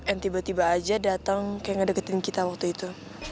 yang tiba tiba aja dateng kayak ngedeketin kita waktu itu